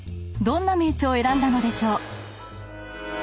どんな名著を選んだのでしょう？